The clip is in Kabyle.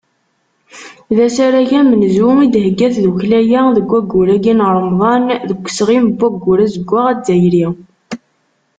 D asarag amenzu i d-thegga tddukkla-a deg waggur-agi n Remḍan, deg usɣim n Waggur Azeggaɣ Azzayri.